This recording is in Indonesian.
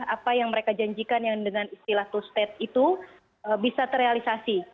apa yang mereka janjikan yang dengan istilah to state itu bisa terrealisasi